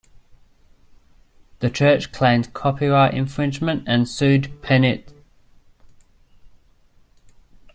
The Church claimed copyright infringement and sued penet.fi's operator.